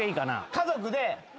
家族で。